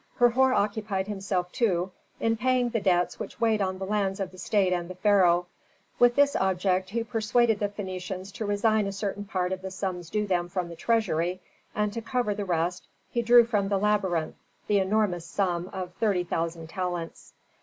Herhor occupied himself too in paying the debts which weighed on the lands of the state and the pharaoh. With this object he persuaded the Phœnicians to resign a certain part of the sums due them from the treasury, and to cover the rest he drew from the labyrinth the enormous sum of thirty thousand talents.